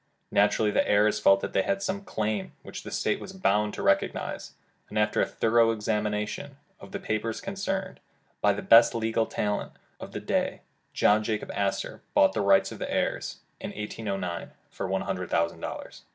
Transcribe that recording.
Naturally the heirs felt they had some claim which the State was bound to recognize, and after a thorough examination of the papers concerned, by the best legal talent of the day, John Jacob Astor bought the rights of the heirs, in 1809, for one hundred thousand dollars.